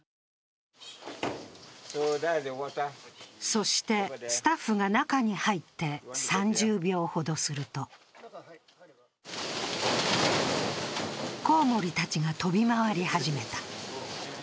そして、スタッフが中に入って３０秒ほどするとコウモリたちが飛び回り始めた。